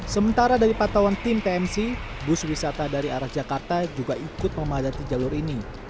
sementara dari patauan tim tmc bus wisata dari arah jakarta juga ikut memadati jalur ini